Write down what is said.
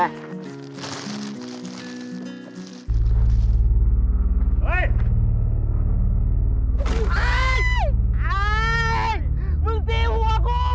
อ๊ายอ๊ายมึงจีนหัวของ